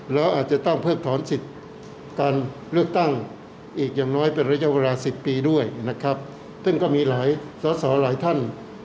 แล้วอาจจะต้องเพิกถอนสิทธิ์การเลือกตั้งอีกอย่างน้อยเป็นระยะเวลา๑๐ปีด้วยนะครับซึ่งก็มีหลายสอสอหลายท่าน